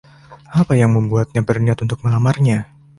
Apa yang membuatnya berniat untuk melamarnya?